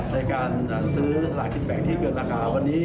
ในการซื้อสละคลิดแบกที่เกินราคา